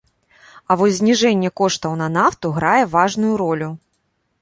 А вось зніжэнне коштаў на нафту грае важную ролю.